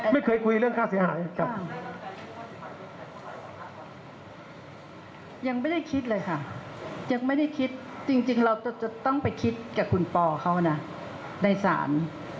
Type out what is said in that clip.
ไม่เคยคุยเรื่องค่าเสียหาย